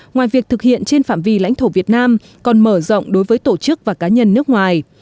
ngoài việc thực hiện trên phạm vi lãnh thổ việt nam còn mở rộng đối với tổ chức và cá nhân nước ngoài